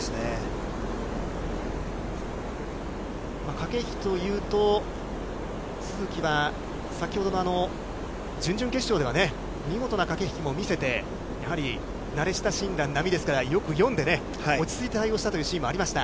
駆け引きというと、都筑は先ほどのあの準々決勝ではね、見事な駆け引きも見せて、やはり慣れ親しんだ波ですから、よく読んでね、落ち着いて対応したというシーンもありました。